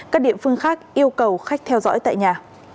các địa phương khác yêu cầu khách theo dõi tại nhà